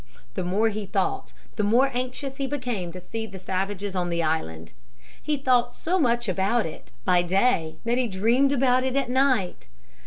The more he thought, the more anxious he became to see the savages on the island. He thought so much about it by day that he dreamed about it at night.